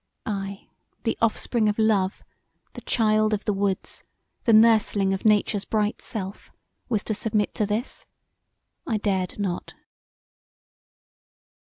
I, the offspring of love, the child of the woods, the nursling of Nature's bright self was to submit to this? I dared not.